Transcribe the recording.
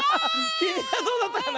きみはどうだったかな？